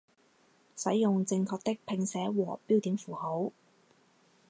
使用正确的拼写和标点符号